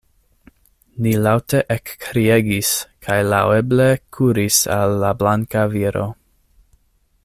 Ni laŭte ekkriegis, kaj laŭeble kuris al la blanka viro.